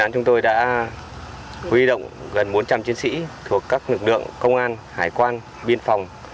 chúng tôi đã huy động gần bốn trăm linh chiến sĩ thuộc các lực lượng công an hải quan biên phòng